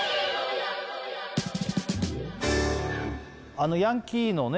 あのヤンキーのね